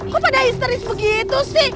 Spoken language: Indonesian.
kok pada histeris begitu sih